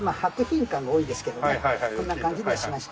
こんな感じでしまして。